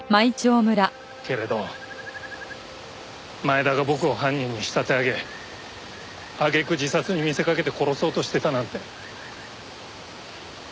けれど前田が僕を犯人に仕立て上げ揚げ句自殺に見せかけて殺そうとしてたなんて。